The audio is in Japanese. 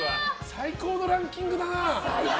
最高のランキングだな。